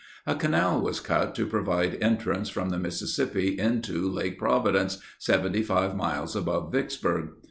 A canal was cut to provide entrance from the Mississippi into Lake Providence, 75 miles above Vicksburg.